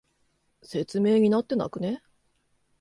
説明になってなくね？